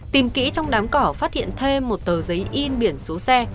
tìm kỹ trong đám cỏ phát hiện thêm một tờ giấy in biển số xe